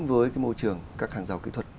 với cái môi trường các hàng giàu kỹ thuật